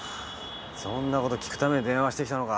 そんな事聞くために電話してきたのか。